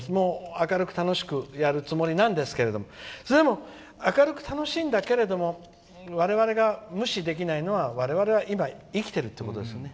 明るく楽しくやるつもりなんですがでも、明るく楽しいんだけど我々が無視できないのは我々が今生きているということですよね。